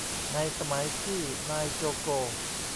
ในสมัยที่นายโจโก